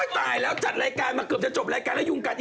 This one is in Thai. โอ๊ยตายแล้วจัดรายการมาเกือบจะจบรายการ